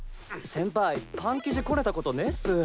先輩パン生地こねたことねっす。